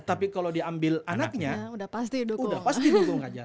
tapi kalau diambil anaknya